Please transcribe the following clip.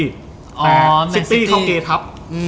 แต่ซิปปี้เขาเกย์ทัพ